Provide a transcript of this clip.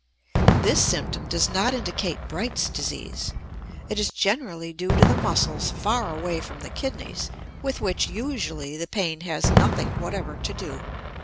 This symptom does not indicate Bright's disease. It is generally due to the muscles far away from the kidneys, with which, usually, the pain has nothing whatever to do.